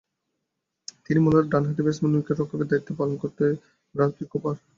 তিনি মূলতঃ ডানহাতি ব্যাটসম্যান ও উইকেট-রক্ষকের দায়িত্ব পালন করতেন ব্রান্সবি কুপার।